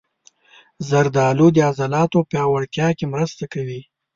زردالو د عضلاتو پیاوړتیا کې مرسته کوي.